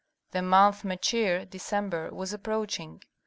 The month Mechir (December) was approaching.